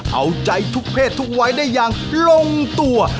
เอาใจทุกเพศทุกวัยได้อย่างลงตัว